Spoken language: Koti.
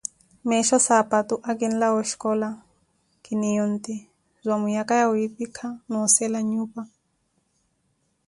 Meesho saapatu, akinlawa oshicola, kiniiya onti, zwaamuyaka ya wiipika na oseela nnyupa.